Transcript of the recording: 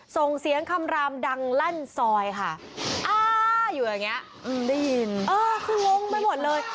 ส่งเสียงคำรามดังลั่นซอยค่ะอ้าอยู่อย่างเงี้ยได้ยินเออคืองงไปหมดเลย